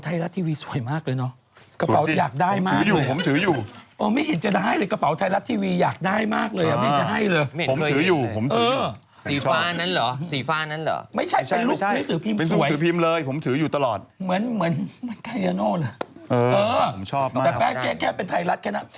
ทำเฟสบุ๊คใช่ไหมฮะว่าใครจะได้รางวัล